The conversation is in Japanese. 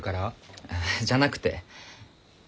あじゃなくて。